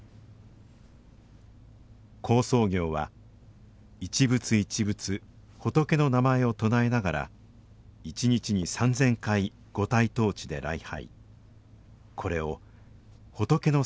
好相行は一仏一仏仏の名前を唱えながら１日に３０００回五体投地で礼拝。